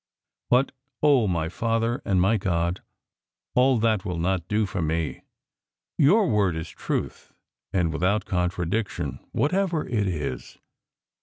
But, oh, my Father and My God! all that will not do for me. Your word is truth, and without contradiction, whatever it is.